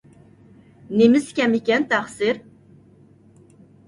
نېمىسى كەم ئىكەن تەقسىر؟